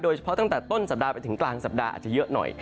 ตั้งแต่ต้นสัปดาห์ไปถึงกลางสัปดาห์อาจจะเยอะหน่อย